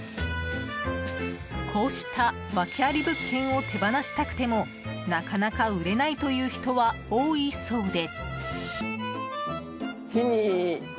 こうしたワケあり物件を手放したくてもなかなか売れないという人は多いそうで。